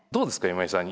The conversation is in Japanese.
今井さん